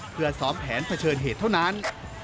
เพื่อซ้อมแผนเผชิญเหตุเท่านั้น